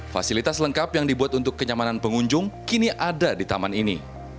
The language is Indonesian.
fasilitas lengkap yang dibuat untuk kenyamanan pengunjung kini ada di taman ini